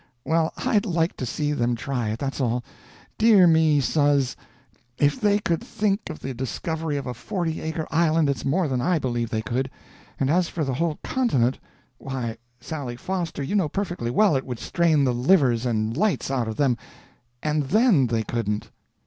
Well, I'd like to see them try it, that's all. Dear me suz, if they could think of the discovery of a forty acre island it's more than I believe they could; and as for the whole continent, why, Sally Foster, you know perfectly well it would strain the livers and lights out of them and then they couldn't!"